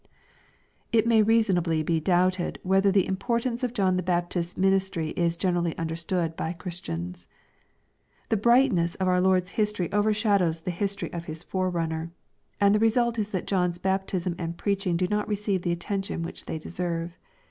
It may reasonably be doubted whether the importance of John the Baptist's ministry is generally understood by Christians. The brightness of our Lord's history overshadows the history of His forerunner, and the re sult is that John's baptism and preaching do not receive the attention which they deserve.